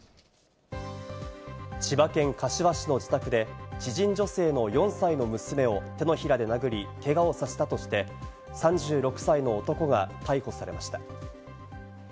千葉県柏市の自宅で知人女性の４歳の娘を手のひらで殴り、けがをさせたとして、３６歳の男が逮捕されました。